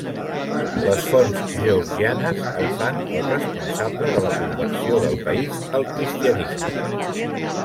Les fonts georgianes el fan el responsable de la conversió del país al cristianisme.